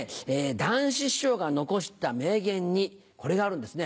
談志師匠が残した名言にこれがあるんですね。